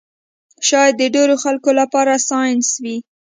شاید د ډېرو خلکو لپاره ساینس وي